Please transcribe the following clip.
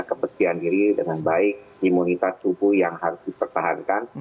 kebersihan diri dengan baik imunitas tubuh yang harus dipertahankan